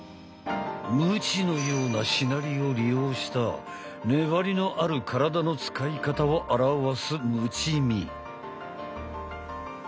ムチのようなしなりを利用した粘りのある体の使い方を表すムチミ。